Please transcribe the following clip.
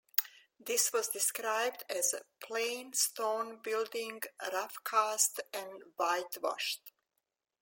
This was described as "a plain stone building rough cast and whitewashed".